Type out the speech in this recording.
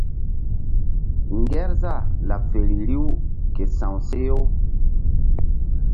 Ŋgerzah laɓ feri riw ke sa̧w seh-u.